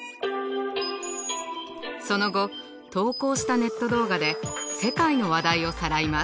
その後投稿したネット動画で世界の話題をさらいます。